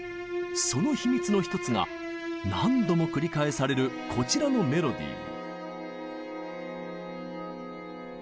その秘密の１つが何度も繰り返されるこちらのメロディー。